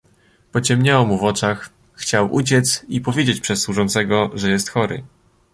"Pociemniało mu w oczach, chciał uciec i powiedzieć przez służącego, że jest chory."